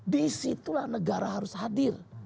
di situlah negara harus hadir